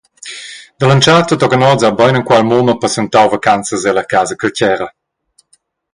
Dall’entschatta tochen oz ha beinenquala mumma passentau vacanzas ella Casa Caltgera.